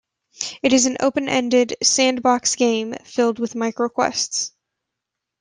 It is an open-ended, sandbox game, filled with "microquests".